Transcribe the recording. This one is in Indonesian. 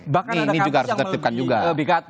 bahkan ada kampus yang melebihi bkt